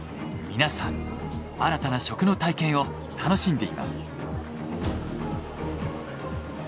皆さん新たな食の体験を楽しんでいます。